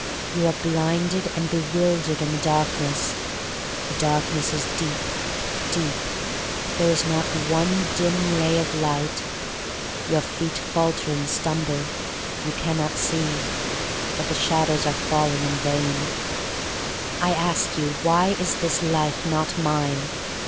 You are blinded and bewildered in the dark ness — the darkness is deep — deep. There is not one dim ray of light. 234 THE STORY OF MARY MAC LANE Your feet falter and stumble. You can not see. But the shadows are falling in vain." I ask you, Why is this life not mine?